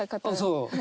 そう。